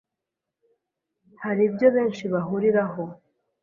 hari ibyo benshi bahuriraho